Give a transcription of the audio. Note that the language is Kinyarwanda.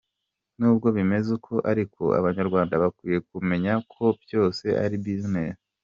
N’ubwo bimeze uku ariko, abanyarwanda bakwiye kumenya ko byose ari business.